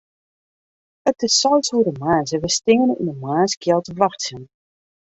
It is seis oere moarns en wy steane yn 'e moarnskjeld te wachtsjen.